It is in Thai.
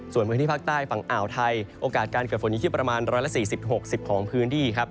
ส่วนพื้นที่ภาคใต้ฝั่งอ่าวไทยโอกาสการเกิดฝนอยู่ที่ประมาณ๑๔๐๖๐ของพื้นที่ครับ